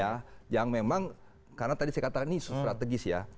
ya yang memang karena tadi saya katakan ini strategis ya